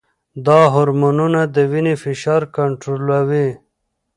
دا هرمونونه د وینې فشار کنټرولوي.